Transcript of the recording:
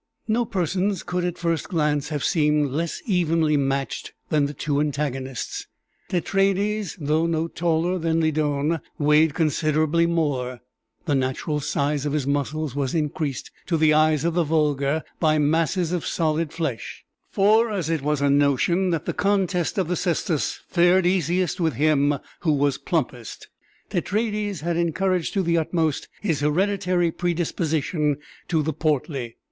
No persons could at first glance have seemed less evenly matched than the two antagonists. Tetraides, though no taller than Lydon, weighed considerably more; the natural size of his muscles was increased, to the eyes of the vulgar, by masses of solid flesh; for, as it was a notion that the contest of the cestus fared easiest with him who was plumpest, Tetraides had encouraged to the utmost his hereditary predisposition to the portly.